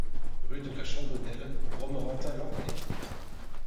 Rue de la Chambonnelle, Romorantin-Lanthenay